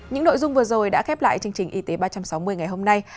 những nội dung vừa rồi đã khép lại chương trình y tế ba trăm sáu mươi ngày hôm nay